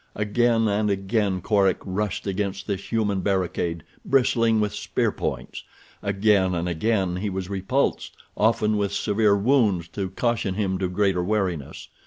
Again and again Korak rushed against this human barricade bristling with spear points. Again and again he was repulsed, often with severe wounds to caution him to greater wariness.